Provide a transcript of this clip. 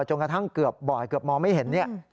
จนกระทั่งเกือบบ่อยเกือบมองไม่เห็นเนี่ย